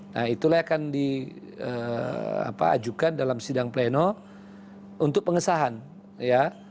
nah itulah yang akan diajukan dalam sidang pleno untuk pengesahan ya